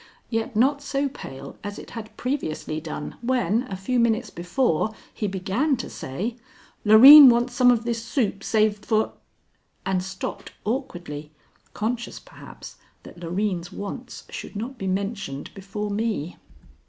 Yet not so pale as it had previously done when, a few minutes before, he began to say, "Loreen wants some of this soup saved for" and stopped awkwardly, conscious perhaps that Loreen's wants should not be mentioned before me.